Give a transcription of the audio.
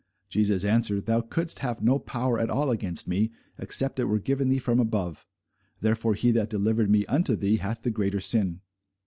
Jesus answered, Thou couldest have no power at all against me, except it were given thee from above: therefore he that delivered me unto thee hath the greater sin.